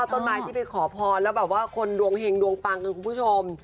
ต้นไม้ที่ไปขอพรแล้วแบบว่าคนดวงเฮงดวงปังคือคุณผู้ชม